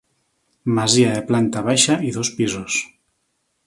Masia de planta baixa i dos pisos.